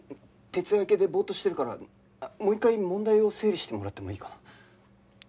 徹夜明けでボーッとしてるからもう一回問題を整理してもらってもいいかな？